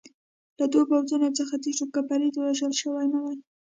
له دوو پوځونو څخه تېر شو، که فرید وژل شوی نه وای.